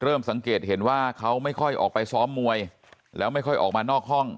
สังเกตเห็นว่าเขาไม่ค่อยออกไปซ้อมมวยแล้วไม่ค่อยออกมานอกห้อง